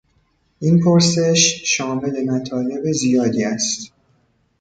این پرسش شامل مطالب زیادی است.